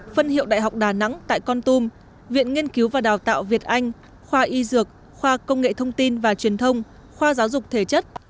phân hiệu đại học đà nẵng tại con tum viện nghiên cứu và đào tạo việt anh khoa y dược khoa công nghệ thông tin và truyền thông khoa giáo dục thể chất